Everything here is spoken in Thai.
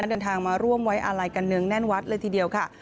เดินทางมาร่วมไว้อาลัยกันเนืองแน่นวัดเลยทีเดียวค่ะ